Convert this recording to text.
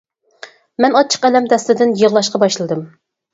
-مەن ئاچچىق ئەلەم دەستىدىن يىغلاشقا باشلىدىم.